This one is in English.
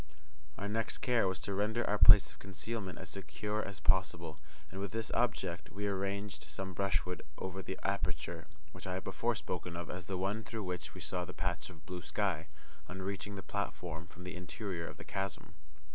Our next care was to render our place of concealment as secure as possible, and with this object, we arranged some brushwood over the aperture which I have before spoken of as the one through which we saw the patch of blue sky, on reaching the platform from the interior of the chasm.